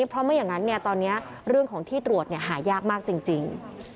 เพราะไม่อย่างนั้นตอนนี้เรื่องของที่ตรวจหายากมากจริง